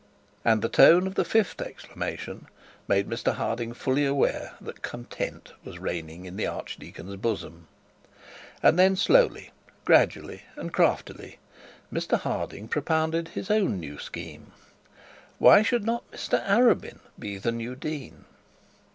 and the tone of the fifth exclamation made Mr Harding fully aware that content was reigning in the archdeacon's bosom. And then slowly, gradually, and craftily, Mr Harding propounded his own new scheme. Why should not Mr Arabin be the new dean?